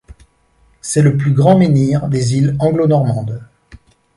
C'est le plus grand menhir des Îles Anglo-Normandes.